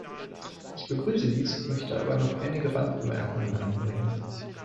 Ich begrüße dies, möchte aber noch einige Randbemerkungen anbringen.